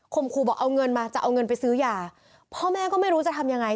ครูบอกเอาเงินมาจะเอาเงินไปซื้อยาพ่อแม่ก็ไม่รู้จะทำยังไง